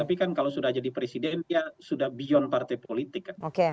tapi kan kalau sudah jadi presiden ya sudah beyond partai politik kan